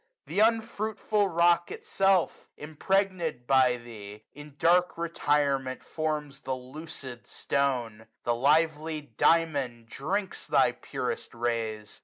Th* unfruitful rock itself, impregnM by thee, 140 In dark retirement forms the lucid stone. The Kvely Diamond drinks thy purest rays.